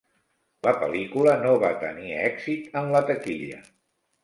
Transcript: La pel·lícula no va tenir èxit en la taquilla.